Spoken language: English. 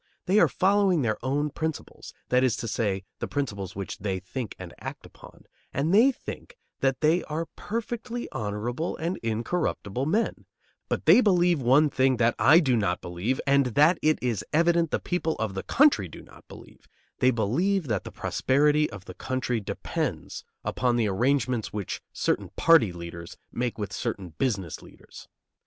They are following their own principles, that is to say, the principles which they think and act upon, and they think that they are perfectly honorable and incorruptible men; but they believe one thing that I do not believe and that it is evident the people of the country do not believe: they believe that the prosperity of the country depends upon the arrangements which certain party leaders make with certain business leaders.